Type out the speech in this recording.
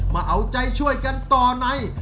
มาเอาใจช่วยกันต่อใน